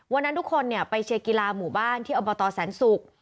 วันนั้นทุกคนไปเชียร์กีฬาหมู่บ้านที่อบตแสนศุกร์